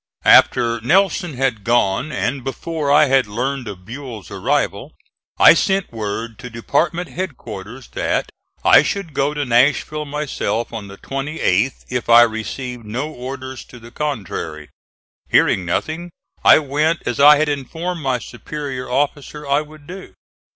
After Nelson had gone and before I had learned of Buell's arrival, I sent word to department headquarters that I should go to Nashville myself on the 28th if I received no orders to the contrary. Hearing nothing, I went as I had informed my superior officer I would do.